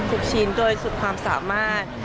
ทุกชิ้นโดยสุดความสามารถ